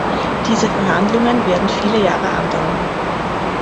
Diese Verhandlungen werden viele Jahre andauern.